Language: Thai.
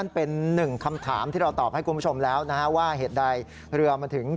เจ้าหน้าที่บอกว่าทางวัดเนี่ยก็จริงไม่มีส่วนเกี่ยวข้องกับเหตุการณ์ดังกล่าวนะ